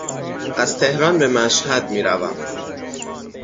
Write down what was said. از تهران به مشهد می روم